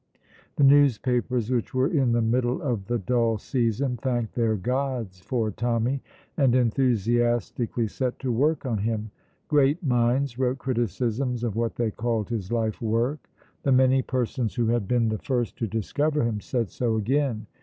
The newspapers, which were in the middle of the dull season, thanked their gods for Tommy, and enthusiastically set to work on him. Great minds wrote criticisms of what they called his life work. The many persons who had been the first to discover him said so again.